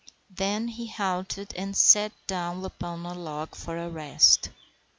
Then he halted and sat down upon a log for a rest.